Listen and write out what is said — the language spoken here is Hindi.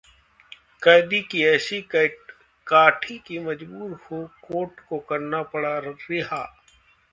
कैदी की ऐसी कद-काठी कि मजबूर हो कोर्ट को करना पड़ा रिहा